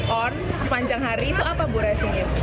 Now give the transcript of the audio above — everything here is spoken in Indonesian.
tapi kalau kita berbicara tentang seluruh hari itu apa bu rasinya